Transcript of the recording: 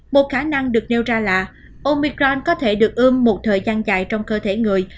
một khả năng được nêu ra là omicron có thể được ươm một thời gian dài trong cơ thể người